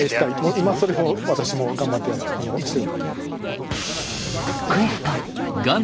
今それを私も頑張ってしてる。